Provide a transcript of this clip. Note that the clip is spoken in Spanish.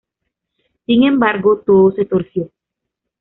Sin embargo, todo se torció.